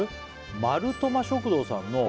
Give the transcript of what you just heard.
「マルトマ食堂さんの」